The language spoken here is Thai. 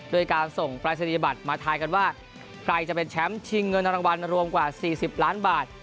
โดยการส่งปรายศนียบัตรมาทายกันว่าใครจะเป็นแชมป์ชิงเงินรางวัลรวมกว่า๔๐ล้านบาท